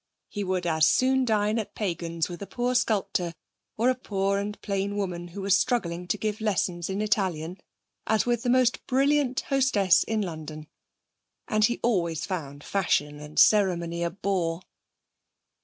He would as soon dine at Pagani's with a poor sculptor, or a poor and plain woman who was struggling to give lessons in Italian, as with the most brilliant hostess in London. And he always found fashion and ceremony a bore.